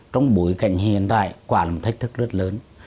trong bối cảnh hiện tại quả là một thách thức rất lớn